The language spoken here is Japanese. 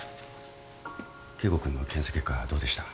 圭吾君の検査結果どうでした？